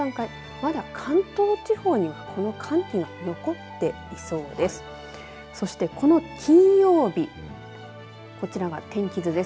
まだ関東地方にこの寒気が残っていそうです。